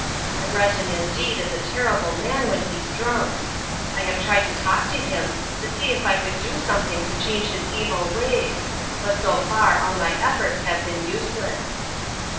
The Breton indeed is a terrible man when he's drunk. I have tried to talk to him to see if I could do something to change his evil ways, but so far all my efforts have been useless."